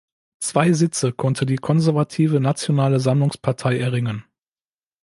Zwei Sitze konnte die konservative Nationale Sammlungspartei erringen.